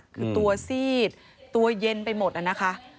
คือตัวซีดตัวเย็นไปหมดนะคะ